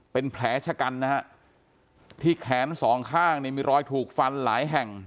เป็นแผลชะกันนะฮะที่แขนสองข้างเนี่ยมีรอยถูกฟันหลายแห่ง